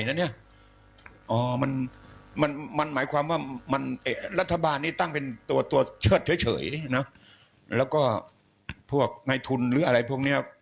หมายความว่ารัฐบาลนี้ตั้งเป็นตัวเชิดเฉยแล้วก็พวกในทุนหรืออะไรพวกนี้